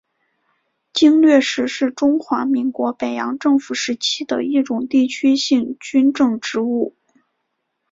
经略使是中华民国北洋政府时期的一种地区性军政职务。